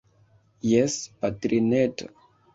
Jes, patrineto.